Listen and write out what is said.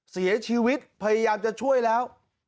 เสียชีวิตพยายามจะช่วยแล้ว